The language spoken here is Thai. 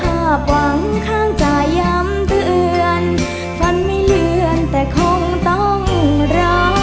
หากหวังข้างจะย้ำเตือนฝันไม่เลื่อนแต่คงต้องรอ